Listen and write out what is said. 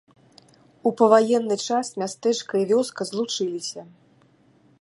У паваенны час мястэчка і вёска злучыліся.